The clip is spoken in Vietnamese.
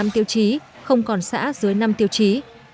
ba năm tiêu chí không còn xã dưới năm tiêu chí